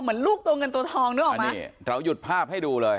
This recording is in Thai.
เหมือนลูกตัวเงินตัวทองด้วยออกมานี่เราหยุดภาพให้ดูเลย